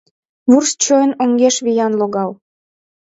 Вурс-чойн оҥеш виян логал: